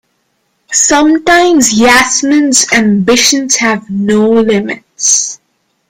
Sometimes Yasmin's ambitions have no limits.